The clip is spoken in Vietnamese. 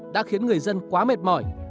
đã khiến người dân quá mệt mỏi